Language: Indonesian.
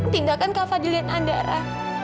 tindakan kak fadil dan andara